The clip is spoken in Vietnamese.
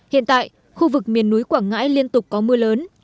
hiện tại khu vực miền núi quảng ngãi liên tục có mưa lớn